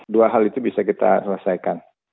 dua hal itu bisa kita selesaikan